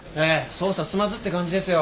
捜査進まずって感じですよ。